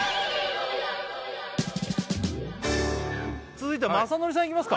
続いては雅紀さんいきますか？